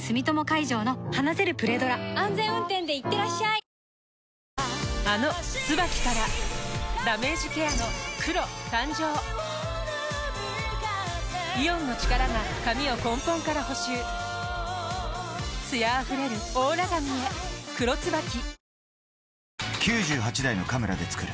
安全運転でいってらっしゃいあの「ＴＳＵＢＡＫＩ」からダメージケアの黒誕生イオンの力が髪を根本から補修艶あふれるオーラ髪へ「黒ＴＳＵＢＡＫＩ」